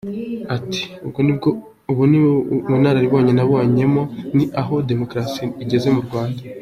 Ati “ Ubwo ni ubunararibonye bwa mbere nabonyemo, ni aho demokarasi igeze mu Rwanda.